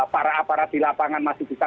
para aparat di lapangan masih bisa